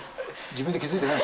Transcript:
自分で気付いてない？